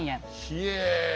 ひえ！